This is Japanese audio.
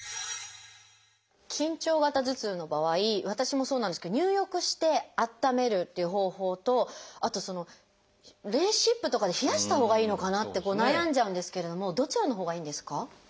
緊張型頭痛の場合私もそうなんですけど入浴してあっためるっていう方法とあと冷湿布とかで冷やしたほうがいいのかなって悩んじゃうんですけれどもどちらのほうがいいんですか？